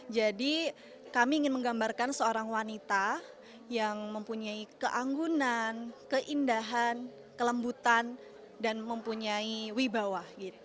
jadi kami ingin menggambarkan seorang wanita yang mempunyai keanggunan keindahan kelembutan dan mempunyai wibawa